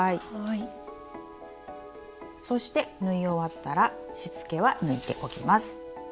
そして縫い終わったらしつけは抜いておきます。